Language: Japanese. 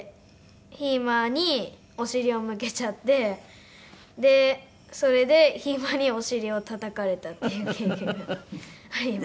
ひーまにお尻を向けちゃってそれでひーまにお尻をたたかれたっていう経験があります。